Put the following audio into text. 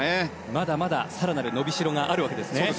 まだまだ更なるのびしろがあるわけですね。